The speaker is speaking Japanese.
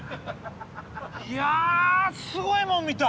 いやすごいもん見た。